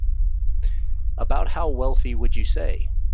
About how wealthy would you say?